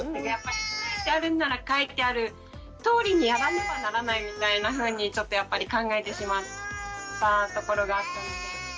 書いてあるなら書いてあるとおりにやらねばならないみたいなふうにちょっとやっぱり考えてしまったところがあったので。